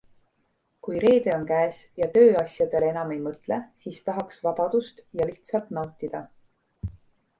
Kui reede on käes ja tööasjadele enam ei mõtle, siis tahaks vabadust ja lihtsalt nautida.